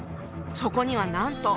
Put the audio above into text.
そこにはなんと！